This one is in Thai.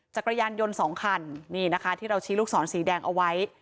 จักรยานยนต์สองคันนี่นะคะที่เราชี้ลูกศรสีแดงเอาไว้